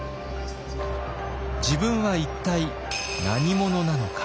自分は一体何者なのか。